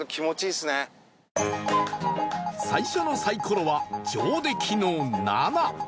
最初のサイコロは上出来の「７」